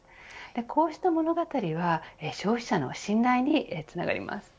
こうした物語は消費者の信頼につながります。